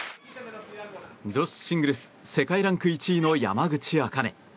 女子シングルス世界ランク１位の山口茜。